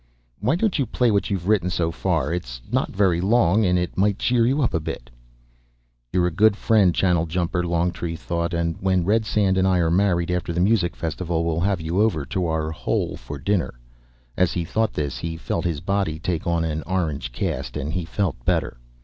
"Why don't you play what you've written so far. It's not very long, and it might cheer you up a bit." You're a good friend, Channeljumper, Longtree thought, and when Redsand and I are married after the Music Festival we'll have you over to our hole for dinner. As he thought this, he felt his body take on an orange cast, and he felt better.